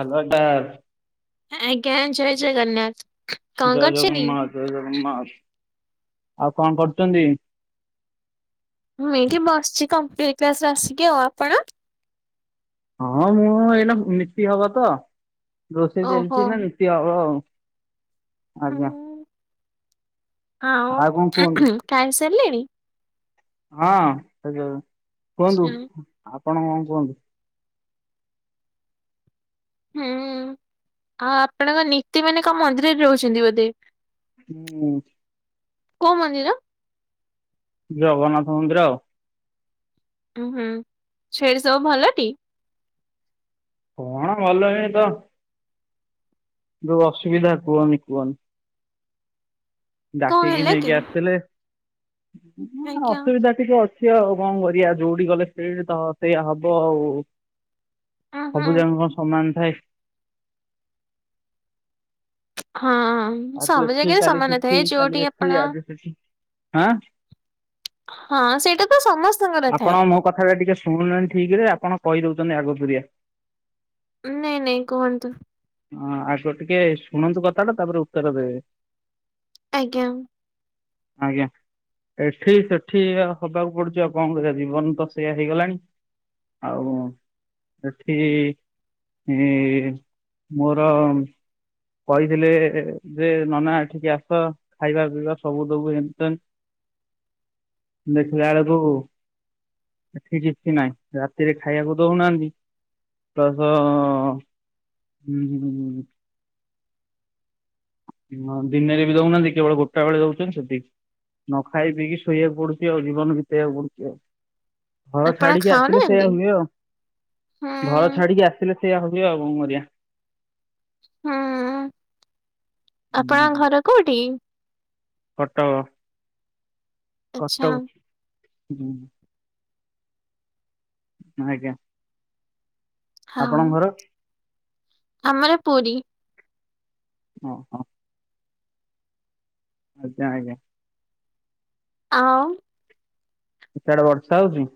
Hello ଏଟା ଆଜ୍ଞା ଜୟ ଜଗନ୍ନାଥ। କଣ ଜୟ କରୁଛନ୍ତି? ଜଗନ୍ନାଥ ଜୟ ଜଗନ୍ନାଥ ଆଉ କଣ କରୁଛନ୍ତି? ମୁଁ ଏଇଠି ବସିଛି କମ୍ପୁଟର କ୍ଲାସ ଆସିକି ଆଉ ଆପଣ? ହଁ ମୁଁ ଏଇଟା ନିତି ହବ ତ ରୋଷେଇ ଓହୋ ଚାଲିଛି ଏଇନା ନତି ହବ ଆଉ। ଆଜ୍ଞା। ହୁଁ, ଆଉ କଣ କୁହନ୍ତୁ ଖାଇ ସାରିଲେଣିି? ହଁ ସେ ଆଚ୍ଛା। କୁହନ୍ତୁ ଆପଣ କଣ କୁହନ୍ତୁ। ହୁଁ ଆଉ ଆପଣଙ୍କ ନୀତି ମାନେ କଣ ମନ୍ଦିରରେ ରହୁଛନ୍ତି ବୋଧେ? ହୁଁ। କଉ ମନ୍ଦିର? ଜଗନ୍ନାଥ ମନ୍ଦିର ଆଉ। ଉଁ ହୁଁ ସେଠି ସବୁ ଭଲ ଟି? କଣ ଭଲ ଏ ତ ଯୋଉ ଅସୁବିଧା କୁହନି କୁହନି। କଣ ଡାକିକି ହେଲା ନେଇକି କି? ଆସିଥିଲେ ହଁ ଆଜ୍ଞା ଅସୁବିଧା ଟିକେ ଅଛି ଆଉ କଣ କରିବା ଯୋଉଠି ଗଲେ ସେଇଟି ତ ସେଇଆ ହବ ଆଉ। ଉଁ ହୁଁ ସବୁ ଯାଙ୍କ କଣ ସମାନ ଥାଏ। ହଁ। ଆଜି ସବୁ ଏଠି ଜାଗାରେ କାଲି ସମାନ ଥାଏ ସେଠି ଯୋଉଠି କାଲି ଆପଣ ଅଛି ଆଜି ସେଠି ହଁ। ହଁ ସେଇଟା ତ ସମସ୍ତେ ଆପଣ ମୋ କଥାଟା ଟିକେ ଶୁଣୁନାହାନ୍ତି ଠିକ ରେ ଆପଣ କହିଦଉଛନ୍ତି ଆଗକୁରିଆ। ନାଇଁ ନାଇଁ କୁହନ୍ତୁ। ହଁ ଆଗ ଟିକେ ଶୁଣନ୍ତୁ କଥା ଟା ତାପରେ ଉତ୍ତର ଦେବେ। ଆଜ୍ଞା। ଆଜ୍ଞା। ଏଠି ସେଠି ହବାକୁ ପଡୁଛି ଆଉ କଣ କରିବ ଜୀବନ ତ ସେଇଆ ହେଇଗଲାଣି। ଆଉ ସେଠି ମୋର କହିଥିଲେ ଯେ ନନା ଏଠିକି ଆସ ଖାଇବା ପିଇବା ସବୁ ଦବୁ ଏଣେ ତେଣେ। ଦେଖିଲା ବେଳକୁ ଏଠି କିଛି ନାଇଁ ରାତିରେ ଖାଇବାକୁ ଦଉନାହାନ୍ତି। ପ୍ଲସ ହୁଁ ହଁ ଦିନେରେ ବି ଦଉନାହାନ୍ତି କେବଳ ଗୋଟା ବେଳେ ଦଉଛନ୍ତି ସେତିକି। ନ ଖାଇ ପିଇକି ଶୋଇବାକୁ ପଡୁଛି ଆଉ ଜୀବନ ବିତେଇବାକୁ ପଡୁଛି ଆଉ। ଘର ଆପଣ ଛାଡିକି ଆସିଲେ ଖାଉନାହାନ୍ତି? ସେଇୟଆ ହୁଏ ଆଉ ଘର ହୁଁ ଛାଡିକି ଆସିଲେ ସେଇଆା ହୁଏ ଆଉଉ କରିବା। ହୁଁ ଆପଣ ହୁଁ ଘର କୋଉଠି? କଟକ ଆଚ୍ଛା କଟକ ହୁଁ। ଆଜ୍ଞା। ହଁ ଆପଣଙ୍କ ଘର? ଆମର ପୁରୀ। ଓ ହୋ। ଅଜା ଆଇଁଲେ। ଆଉଁ ସିଆଡ଼ ବର୍ଷା ହଉଚି?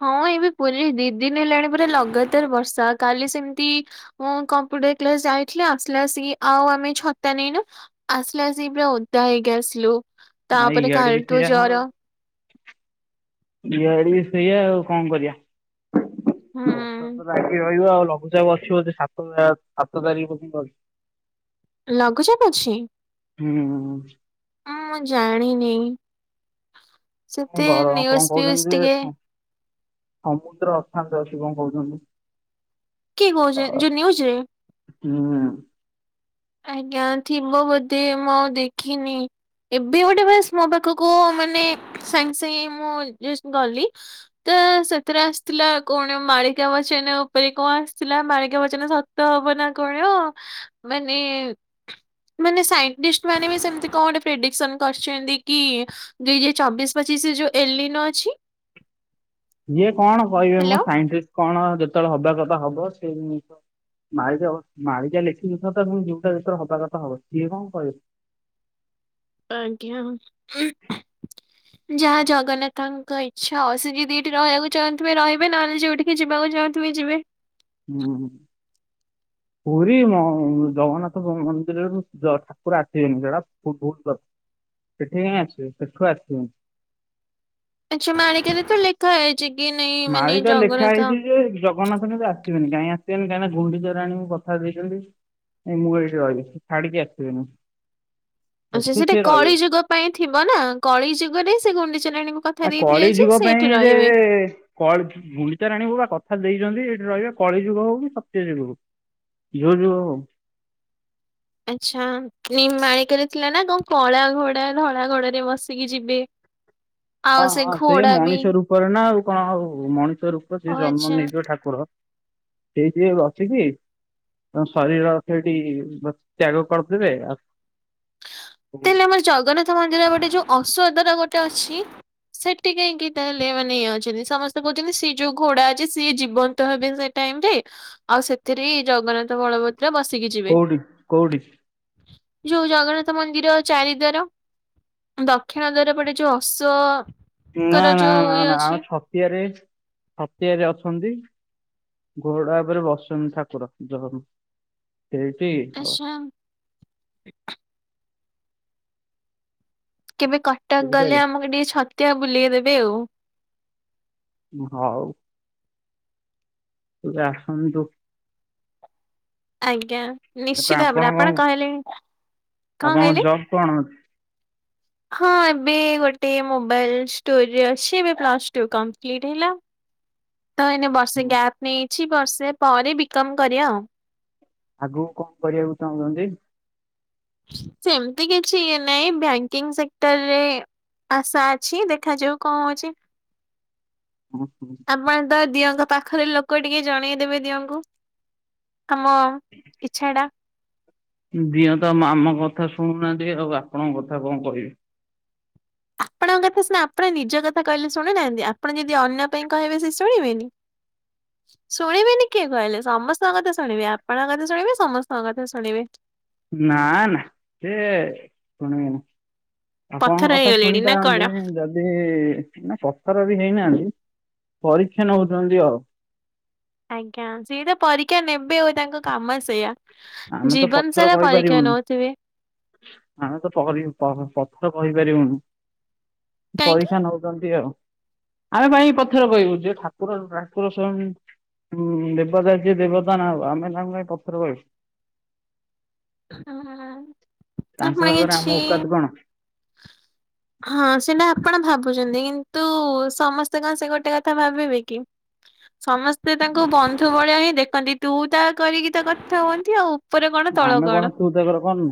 ହଁ ଏବେ ପୁରୀରେ ଦି ଦିନ ହେଲାଣି ପୁରା ଲଗାତାର ବର୍ଷା କାଲି ସେମତି ମୁଁ କମ୍ପ୍ୟୁଟର କ୍ଲାସ ଯାଇଥିଲି ଆସିଲା ବଳସିକି ଆଉ ଆମେ ଛତା ନେଇନୁ ଆସିଲା ବଳସିକି ପୁରା ଓଦା ହେଇକି ଆସିଲୁ ଆଉ ତାପରେ ଇଆଡେ ବି କାଲଠୁ ସେଇଆ ଜର। ଇଆଡ଼େ ବି ଶୋଇଆ ଆଉ କଣ କରିବା? ବର୍ଷା ହୁଁ ତ ଲାଗି ରହିବ ଆଉ ଲଘୁଚାପ ଅଛି ବୋଧେ ସାତ ଆ ସାତ ତାରିଖ ପର୍ଯ୍ୟନ୍ତ। ଲଘୁଚାପ ଅଛିଁ? ହୁଁ। ଅଁ ମୁଁ ଜାଣିନି ସେତେ ଘର କଣ ନିୟୁଜ ଫିୟୁଜ କହୁଛନ୍ତି ଯେ ଟିକେ ସମୁଦ୍ର ଅଶାନ୍ତ ଅଛି କଣ କହୁଚନ୍ତି। କିଏ କହୁଚନ ଯୋଉ ନ୍ୟୁଜ ରେ? ହୁଁ ମ୍ୟାମ୍। ଆଜ୍ଞା ଥିବ ବୋଧେ ମୁଁ ଆଉ ଦେଖିନି। ଏବେ ଗୋଟେ ବାସ୍ ମୋ ପାଖକୁ ମାନେ ସାଙ୍ଗେ ସାଙ୍ଗେ ମୁଁ ଜଷ୍ଟ ଗଲି ତ ସେଥେରେ ଆସଥିଲା କଣ ମାଳିକା ବଚନ ଉପରେ କଣ ଆସଥିଲା ମାଳିକା ବଚନ ସ ତ ହବ ନା କଣ? ମାନେ ଏଁ ଏଁ ମାନେ ସାଇଣ୍ଟିଷ୍ଟ ମାନେ ବି ସେମତି କଣ ଗୋଟେ ପ୍ରେଡିିକସନ୍ କରଛନ୍ତି କି ଦୁଇ ହଜାର ଚବିଶ ପଚିଶ ରେ ଯୋଉ ଏଲିନ ଅଛି ଯିଏ କଣ କହିବେ ମ ହ୍ୟାଲୋ। ସାଇଣ୍ଟିଷ୍ଟ? କଣ ଯେତବଳେ ହବା କଥା ହବ ସେଇ ଜିନିଷ ମାଳିିକା ମାଳିିକା ଲେଖିନୁ ସତ କଣ ଯୋଉଟା ଯେତବଳେ ହବା କଥା ହବ ସିଏ କଣ କହିବେ? ଆଜ୍ଞା ଉଁ ହୁଁ। ଯାହା ଜଗନ୍ନାଥଙ୍କ ଇଚ୍ଛା ଆଉ ସେ ଯଦି ଏଇଠି ରହିବାକୁ ଚାହୁଁଥିବେ ରହିବେ ନହେଲେ ଯୋଉଠି କି ଯିବାକୁ ଚାହୁଁଥିବେ ଯିବେ। ହୁଁ ପୁରୀ ମ ଜଗନ୍ନାଥ ମନ୍ଦିରରୁ ଜଷ୍ଟ ଠାକୁର ଆଠିବେନି ସେଟା ଭୁ ଭୁଲ କଥ ସେଠି କାଇଁକି ଆସିବେ ସେଠୁ ଆସିବେନି। ଆଚ୍ଛା ମାଳିକାରେ ତ ଲେଖା ହେଇ ଚି କି ନାଇଁ ମାନେ ମାଳିକା ଲେଖା ଜଗନ୍ନାଥ ହେଇଚି ଯେ ଜଗ ଜଗନ୍ନାଥ କିନ୍ତୁ ଆସିବେନି କାହିଁ ଆସିବେନି କାହିଁନା ଗୁଣ୍ଡିଚା ରାଣୀଙ୍କୁ କଥା ଦେଇଚନ୍ତି ନାଇଁ ମୁଁ ଏଇଠି ରହିବି ଛାଡ଼ିକି ଆସିବିନୁ। ଆଉ ସେ ସେଠେ କଳି ଯୁଗ ପାଇଁ ଥିବ ନା କଳି ଯୁଗରେ ସେ ଗୁଣ୍ଡିଚା ରାଣୀଙ୍କୁ କଥା ଆ ଦେଇଥିଲେ କଳି ଯେ ଯୁଗ ସେ ଏଠି ପାଇଁ ଯେ ରହିବେ। ଏ ଏ କଳ ଗୁଣ୍ଡିଚା ରାଣୀଙ୍କୁ ବା କଥା ଦେଇଚନ୍ତି ଏଇଠି ରହିବେ କଳି ଯୁଗ ହଉ କି ସତ୍ୟ ଯୁଗ ହଉ। ଯୋଉ ଯୁଗ ହଉ। ଆଚ୍ଛା ନିମ୍ ମାଳିକାରେ ଥିଲା ନା କଣ କଳା ଘୋଡ଼ା ଧଳା ଘୋଡ଼ରେ ବସିକି ଯିବେ? ଆଉ ହଁ ହଁ ସେ ଘୋଡା ବି ମଣିଷ ରୂପରେ ନା ଆଉ କଣ ଆଉ ମଣିଷ ରୂପ ଓ ସେ ଜନ୍ମ ଆଚ୍ଛା ନେଇଯିବ ଠାକ୍ କୁର ସେଇ ସିଏ ଅଛି ସିଏ? ତାଙ୍କ ଶରୀର ସେଇଠି ବ ତ୍ୟାଗ କରଦେବେ ଆଉ ତାହେଲେ ଆମର ଜଗନ୍ନାଥ ମନ୍ଦିର ଗୋଟେ ଯୋଉ ଔଷଧର ଗୋଟେ ଅଛି ସେଠି କାହିଁକି ତାହେଲେ ମାନେ ଇଏ ଅଛନ୍ତି ସମସ୍ତେ କହୁଚନ୍ତି ସିଏ ଯୋଉ ଘୋଡା ଅଛି ସିଏ ଜୀବନ୍ତ ହେବେ ସେ ଟାଇମରେ ଆଉ ସେଥିରେ ଜଗନ୍ନାଥ, ବଳବ ବସିକିଛି। କୋଉଡ଼ି କୋଉଡ଼ି। ଯୋଉ ଜଗନ୍ନାଥ ମନ୍ଦିର ଚାରିଦ୍ଵାର, ଦକ୍ଷିଣ ଦ୍ୱାର ପଟେ ଯୋଉ ଅଶ୍ଵ ନା ନା ନା ନା ଆମ ଛତିଆରେ ଛତିଆରେ ଅଛନ୍ତି। ଘୋଡା ଉପରେ ବସନ୍ତି ଠାକୁର ଜଗ ସେଇଠି ଆଚ୍ଛା। କେବେ କଟକ ଗଲେ ବୁଝିପାରିଲେ ଆମକୁ ଟିକେ ଛତିଆ ବୁଲେଇ ଦେବେ ଆଉ। ହଉ। ତୁରା ଆସନ୍ତୁ। ଆଜ୍ଞା, ନିଶ୍ଚିତ ଆପଣ ଭାବରେ କଣ ଆପଣ କହିଲେଣି, କଣ ଆପଣଙ୍କ କହିଲେ? ଜବ୍ କଣ ଅଛି। ହଁ ଏବେ ଗୋଟେ ମୋବାଇଲ ଷ୍ଟୋରରେ ଅଛି ଏବେ ପ୍ସ ଟୁ କଂପ୍ଲିଟ୍ ହେଲା। ତ ଏଇନେ ବର୍ଷେ ଗ୍ୟାପ ନେଇଛି ବର୍ଷେ ପରେ ବି କମ୍ କରିବା ଆଉ। ଆଗକୁ କଣ କରିବାକୁ ଚାହୁଁଛନ୍ତି? ସେମିତି କିଛି ଇଏ ନାହିଁ ବ୍ୟାଙ୍କିଙ୍ଗ ସେକ୍ଟରରେ ଆଶା ଅଛି ଦେଖାଯାଉ କଣ ହଉଛି। ଉଁ ହୁଁ। [unintelligible] ତ ଦିଅଙ୍କ ପାଖରେ ଲୋକ ଟିକେ ଜଣେଇ ଦେବେ ଦିଅଙ୍କୁ। ଆମ ଇଚ୍ଛାଟା। ଦିଅ ତ ଆମ କଥା ଶୁଣୁନାହାନ୍ତି ଆଉ ଆପଣଙ୍କ କଥା କଣ କହିବି। ଆପଣଙ୍କ କଥା ସିନା ଆପଣ ନିଜ କଥା କହିଲେ ଶୁଣିନାହାନ୍ତି, ଆପଣ ଯଦି ଅନ୍ୟ ପାଇଁ କହିବେ ସେ ଶୁଣିବେନି। ଶୁଣିବେନି କିଏ କହିଲେ ସମସ୍ତଙ୍କ କଥା ଶୁଣିବେ ଆପଣଙ୍କ କଥା ଶୁଣିବେ ସମସ୍ତଙ୍କ କଥା ଶୁଣିବେ। ନା ନା ସେ ଶୁଣିବେନି। ଆପଣଙ୍କ ପଥର କଥା ହେଇଗଲେଣି ନା କଣ ଶୁଣିପାରନ୍ତି ଯଦି ସିଏ ନା ପଥର ବି ହେଇନାହାନ୍ତି, ପରୀକ୍ଷା ନଉଛନ୍ତି ଆଉ। ଆଜ୍ଞା, ସିଏ ତ ପରୀକ୍ଷା ନେବେ ଆଉ ତାଙ୍କ କାମ ସେଇଆ। ଆମେ ତ ଜୀବନ ପଥର ସାରା ପରୀକ୍ଷା କହିପାରିବୁନୁ। ନଉଥିବେ। ଆମେ ତ ପହରି ପ ପଥର କହିପାରିବୁନି। କାହିଁକି ପରୀକ୍ଷା ନଉଛନ୍ତି ଆଉ। ଆମେ ପାଇଁ ପଥର କହିବୁ ଯେ ଠାକୁର ଠାକୁର ସ୍ୱୟଂ ହୁଁ ଦେବତା ଯିଏ ଦେବତା ନା ଆମେ ତାଙ୍କୁ କାଇଁ ପଥର କହିବୁ। ହଁ ହଁ ହଁ ତାଙ୍କ ଆପଣ ଆଗରେ ଆମ କିଛି ଔକାତ କଣ? [inaudible] ହଁ ସେଟା ଆପଣ ଭାବୁଛନ୍ତି କିନ୍ତୁ ସମସ୍ତେ କଣ ସେ ଗୋଟେ କଥା ଭାବିବେ କି? ସମସ୍ତେ ତାଙ୍କୁ ବନ୍ଧୁ ବଳିଆ ହିଁ ଦେଖନ୍ତି ତୁ ତା କରିକି ତ କଥା ହୁଅନ୍ତି ଆଉ। ଉପରେ କଣ ତଳ ଆମେ କଣ ତୁ ତାକର କରୁନୁ।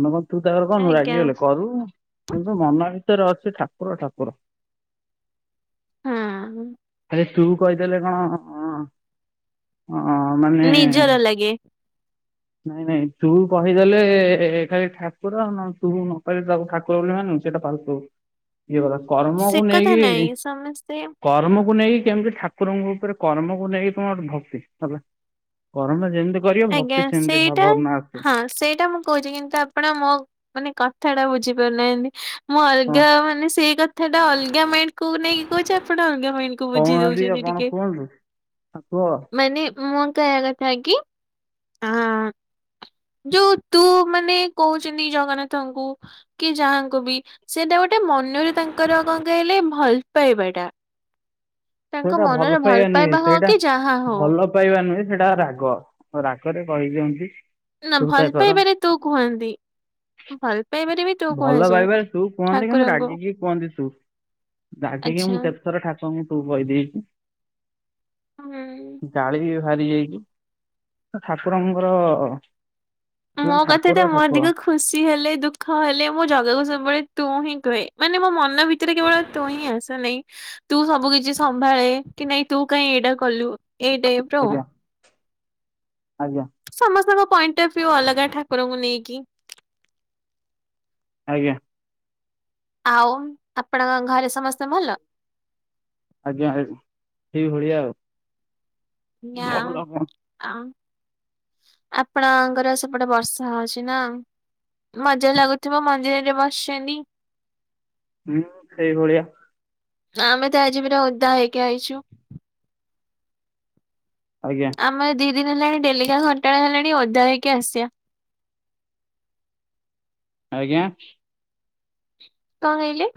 ଆମେ କଣ ତୁ ତାକର କରୁନୁ ଆଜ୍ଞା। ରାଗି ଗଲେ କରୁ। କିନ୍ତୁ ମନ ଭିତରେ ଅଛି ଠାକୁର ଠାକୁର। ହୁଁ। ଆରେ ତୁ କହିଦେଲେ କଣ ଅ ମାନେ ରାଗେ। ନାଇଁ ନାଇଁ ତୁ କହିଦେଲେ ଏ ଖାଲି ଠାକୁର ନହଲେ ତୁ ନ କହିଲେ ତାକୁ ଠାକୁ କୁର ବୋଲି ମାନୁ, ସେଟା ଫାଲତୁ ଇଏ କଥା ସେ କର୍ମକୁ କଥା ନାଇଁ ନେଇକି ସମସ୍ତେ କର୍ମକୁ ନେଇକି କେମିତି ଠାକୁରଙ୍କ ଉପରେ କର୍ମକୁ ନେଇକି କଣ ଗୋଟେ ଭକ୍ତି ହେଲା। କରମ ଯେମିତି କରିବ। [unintelligible] ସେମିତି ସେଇଟା ଭାବନା ଆସିବ ହଁ ସେଇଟା ମୁଁ କହୁଚି କିନ୍ତୁ ଆପଣ ମୋ ମାନେ କଥାଟା ବୁଝି ପାରୁନାହାନ୍ତି ମୁଁ ହଁ ଅଲଗା ମାନେ ସେଇ କ ଥାଟା ଅଲଗା ମାଇଣ୍ଡକୁ ନେଇକି କହୁଚି ଆପଣ ଅଲଗା ମାଇଣ୍ଡ ବୁଝି କହୁନାହାନ୍ତି ଦଉଚନ୍ତି ଆପଣ ଟିକେ କୁହନ୍ତୁ ଠାକୁର ମାନେ ମୁଁ କହିବା କଥା କି ଆଁ ଯୋଉ ତୁ ମାନେ କହୁଚନ୍ତି ଜଗନ୍ନାଥଙ୍କୁ କି ଯାହାଙ୍କୁ ବି ସେଟା ଗୋଟେ ମନରେ ତାଙ୍କର କଁ କଇଲେ ଭଲ ପାଇବାଟା। ତାଙ୍କ ସେଇଟା ଭଲ ମନରେ ପାଇବା ନୁହେଁ। ହଉ ସେଇଟା କି ଯାହା ହଉ ଭଲ ପାଇବା ନୁହେଁ ସେଟା ରାଗ ରାଗରେ କହି ଦିଅନ୍ତି। ନା ଭଲ ପାଇବାରେ ତୁ କୁହନ୍ତି। ଭଲ ପାଇବାରେ ବି ତୁ ଭଲ କୁହାଯାଏ ପାଇବାରେ ତୁ କୁହନ୍ତି କିନ୍ତୁ ଠାକୁରଙ୍କୁ ରାଗିକି କୁହନ୍ତି ତୁ। ରାଗିକି ଆଚ୍ଛା ମୁଁ କେତଥର ଠାକୁରଙ୍କୁ ତୁ କହିଦେଇଛଚି। ହୁଁ। ଗାଳିବି ବାହାରି ଯାଇଚି। ଠାକୁରଙ୍କର ମୋ କଥାଟା ଠାକୁର ମୋ ଠାକୁର ଅଧିକ ଖୁ ଖୁସି ହେଲେ ଦୁଃଖ ହେଲେ ମୁଁ ଜାଗାକୁ ସବୁବେଳେ ତୁ ହିଁ କୁହେ ମାନେ ମୋ ମନ ଭି ତରେ କେବଳ ତୁ ହିଁ ଆସେ ହେଲାକି। ତୁ ସବୁ କିଛି ସମ୍ଭାଳେ, କି ନାଇଁ ତୁ କାଇହିଁ ଏଇଟା କଲୁ, ଏଇ ଟାଇ ଆଜ୍ଞା ଆଜ୍ଞା‌। ସମସ୍ତଙ୍କ ପଏଣ୍ଟ ଅଫ ଭ୍ୟୁ ଅଲଗା ଠାକୁରଙ୍କୁ ନେଇକି। ଆଜ୍ଞା! ଆଉ ଆପଣଙ୍କ ଘରେ ସମସ୍ତେ ଭଲ? ଆଜ୍ଞା ଆଜ ସେଇ ଭଳିଆ ଆଉ। ଭଲ କଣ [unintelligible] ଆପଣଙ୍କର ସେପଟେ ବର୍ଷା ହଉଛି ନା। ମଜା ଲାଗୁଥିବ ମନ୍ଦିରରେ ବସିଚନ୍ତି। ହୁଁ ସେଇ ଭଳିଆ। ଆମେ ତ ଆଜି ପୁର ଓଦା ହେଇକି ଆସିଚୁ। ଆଜ୍ଞା। ଆମର ଦି ଦିନ ହେଲାଣି ଡେଲିିକା ଘଣ୍ଟା ହେଲାଣି ଓଧା ହେଇକି ଆସିବା। ଆଜ୍ଞା? କଁ ହେଇଲେ?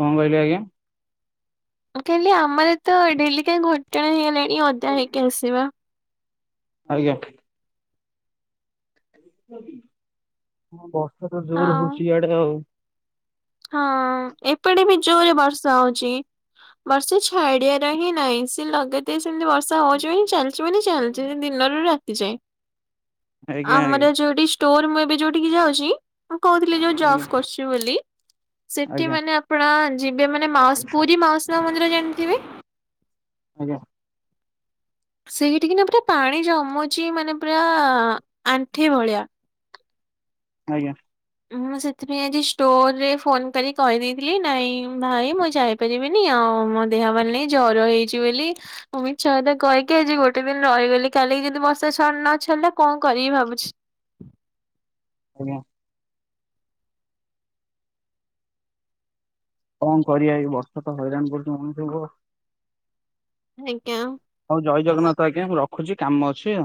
କଁ [unintelligible] ଆଜ୍ଞା? ମୁଁ କାଲି ଆମର ତ ଡେଲି କାହି ଘଟଣା ହେଇଗଲାଣି ଅଦା ହେଇକି ଆସିବା। ଆଜ୍ଞା! ବର୍ଷା ତ ଜୋର ଆଉ ହଉଛି ଇଆଡେ ଆଉ। ହଁ ଏପଟେ ବି ଜୋରେ ବର୍ଷା ହଉଚି। ବର୍ଷେ ଛାଡିବାର ହିଁ ନାଇଁ ସେ ଲଗା କେତେ ସେମ୍ତି ବର୍ଷା ହଉଚି [unintelligible] ଚାଲିଚି ମାନି ଚାଲିଚି ଦିନରୁ ରାତି ଯାଏଁ। ଆଜ୍ଞା ଆଜ୍ଞା ଆମର ଯୋଉଠି ଷ୍ଟୋର ମୁଁ ଏବେ ଯୋଉଠି କି ଯାଉଚି। ମୁଁ କହୁଥିଲି ଯୋଉ ଆଜ୍ଞା ଜଫ୍ କରୁଚି ବୋଲି। ସେଠି ଆଜ୍ଞା ମାନେ ଆପଣ ଯିବେ ମାନେ ମାଉସ୍ ପୁରୀ ମାଉସୀ ମା ମନ୍ଦିର ଜାଣିଥିବେ? ଆଜ୍ଞା। ସେଇଠିକିନା ପୁରା ପାଣି ଜମୁଚି ମାନେ ପୁରା ଆଣ୍ଠି ଭଳିଆ। ଆଜ୍ଞା ମୁଁ ସେଥିପାଇଁ ଆଜି ଷ୍ଟୋରରେ ଫୋନ କରି କହିଦେଇଥିଲି ନାଇଁ ଭାଇ ମୁଁ ଯାଇ ପାରିବିନି ଆଉ ମୋ ଦେହ ଭଲ ନାଇଁ ଜର ହେଇଛି ବୋଲି ମିଛ କଥା କହିକି ଆଜି ଗୋଟେ ଦିନ ରହିଗଲି କାଲି କି ଯଦି ବର୍ଷା ନ ଛଡ଼ିଲା କଣ କରିବି ଭାବୁଛି। ଆଜ୍ଞା। କଣ କରିଆ ଏଇ ବର୍ଷା ତ ହଇରାଣ କରୁଛି ମଣିଷଙ୍କୁ। ଆଜ୍ଞା ହଉ ଜୟ ଜଗନ୍ନାଥ ଆଜ୍ଞା ମୁଁ ରଖୁଛି କାମ ଅଛି।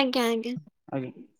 ଆଜ୍ଞା ଆଜ୍ଞା। ଆଜ୍ଞା।